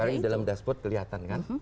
sekarang ini dalam dashboard kelihatan kan